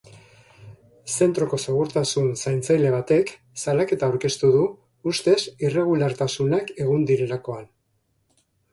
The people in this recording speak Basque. Zentroko segurtasun zaintzaile batek salaketa aurkeztu du ustez irregulartasunak egon direlakoan.